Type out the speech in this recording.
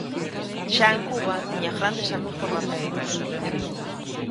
Xa en Cuba tiña grandes amigos rapeiros.